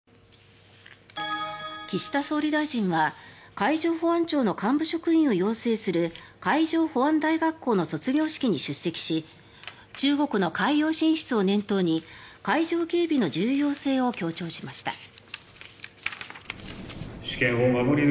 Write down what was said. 岸田総理大臣は海上保安庁の幹部職員を養成する海上保安大学校の卒業式に出席し中国の海洋進出を念頭に海上警備の重要性を強調しました。